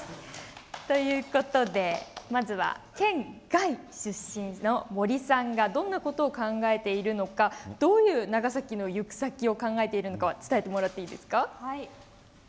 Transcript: まずは県外出身の森さんがどんなことを考えているのかどういう長崎の行く先を考えているのか伝えてもらっていいですか？